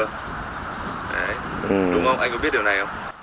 đấy đúng không anh có biết điều này không